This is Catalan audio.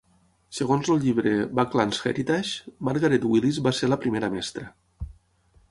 Segons el llibre, "Buckland's Heritage," Margaret Willis va ser la primera mestra.